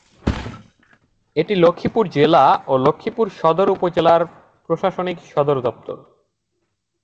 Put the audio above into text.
এটি লক্ষ্মীপুর জেলা ও লক্ষ্মীপুর সদর উপজেলার প্রশাসনিক সদরদপ্তর।